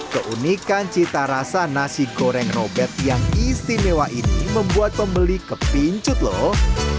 keunikan cita rasa nasi goreng robert yang istimewa ini membuat pembeli kepincut loh